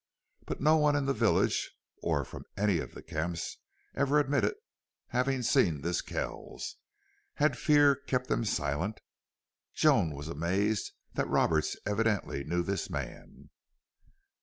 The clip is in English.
But no one in the village or from any of the camps ever admitted having seen this Kells. Had fear kept them silent? Joan was amazed that Roberts evidently knew this man.